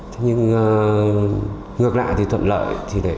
thế nhưng ngược lại thì thuận lợi